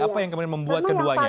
apa yang kemudian membuat keduanya